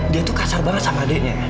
dia tuh kasar banget sama adiknya